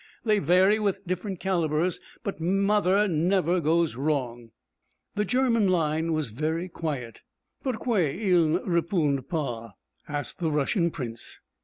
'They vary with different calibres, but "Mother" never goes wrong.' The German line was very quiet. 'Pourquoi ils ne répondent pas?' asked the Russian prince.